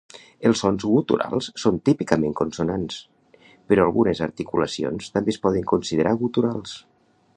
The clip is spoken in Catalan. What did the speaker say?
Els sons guturals són típicament consonants, però algunes articulacions també es poden considerar guturals.